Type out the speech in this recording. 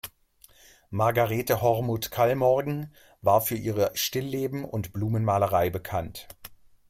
Margarethe Hormuth-Kallmorgen war für ihre Stillleben und Blumenmalerei bekannt.